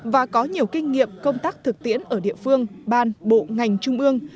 và có nhiều kinh nghiệm công tác thực tiễn ở địa phương ban bộ ngành trung ương